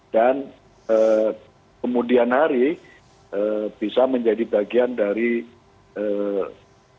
dan kemudian hari bisa menjadi bagian dari timnas kita ketepat